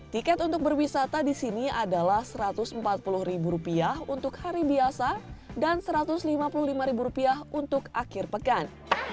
tiket untuk berwisata di sini adalah rp satu ratus empat puluh untuk hari biasa dan rp satu ratus lima puluh lima untuk akhir pekan